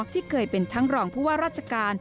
ที่เคยเป็นทั้งรองผู้ว่าราชการ